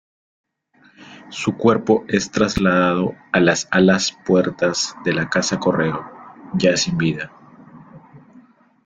Su cuerpo es trasladado a las puertas de la Casa Correo, ya sin vida.